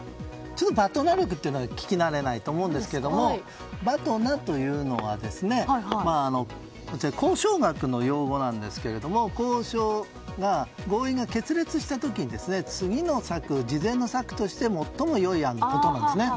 ＢＡＴＮＡ力というのは聞きなれないと思うんですがＢＡＴＮＡというのは交渉学の用語なんですが交渉の合意が決裂した時に次の策、次善の策として最も良い案のことなんですね。